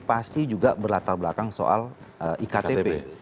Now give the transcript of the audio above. pasti juga berlatar belakang soal iktp